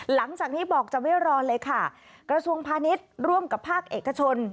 หลังจากนี้บอกจะไม่รอเลยค่ะกระทรวงพาณิชย์ร่วมกับภาคเอกชน